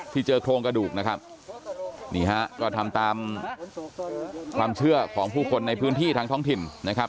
เจอโครงกระดูกนะครับนี่ฮะก็ทำตามความเชื่อของผู้คนในพื้นที่ทางท้องถิ่นนะครับ